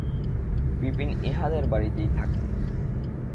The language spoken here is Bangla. বিপিন ইঁহাদের বাড়িতেই থাকে।